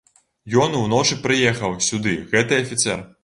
Ён уночы прыехаў сюды, гэты афіцэр.